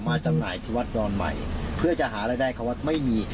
จำหน่ายที่วัดดอนใหม่เพื่อจะหารายได้เขาวัดไม่มี